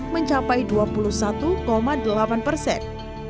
mencapai dua puluh satu delapan persen